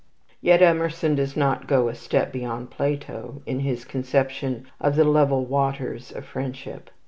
Yet Emerson does not go a step beyond Plato in his conception of the "level waters" of friendship.